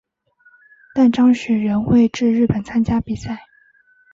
但张栩仍会至日本参加比赛。